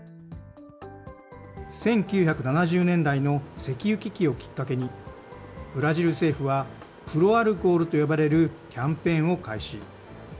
１９７０年代の石油危機をきっかけに、ブラジル政府は、プロアルコールと呼ばれるキャンペーンを開始。